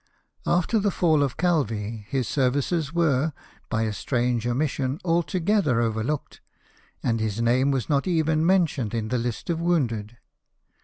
After the fall of Calvi his services were, by a strange omission, altogether overlooked; and his name was not even mentioned in the list of wounded.